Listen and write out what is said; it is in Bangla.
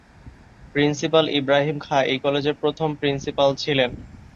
প্রিন্সিপাল ইবরাহিম খাঁ এই কলেজের প্রথম প্রিন্সিপাল ছিলেন।